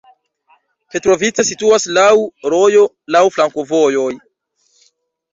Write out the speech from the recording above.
Petrovice situas laŭ rojo, laŭ flankovojoj.